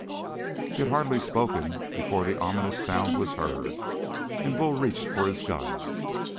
He had hardly spoken before the ominous sound was heard, and Bull reached for his gun.